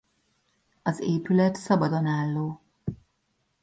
Az épület szabadon álló.